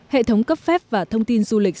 hệ thống cấp phép và thông tin du lịch